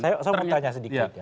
saya mau tanya sedikit ya